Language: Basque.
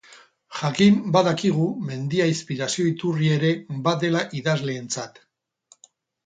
Jakin badakigu mendia inspirazio iturri ere badela idazleentzat.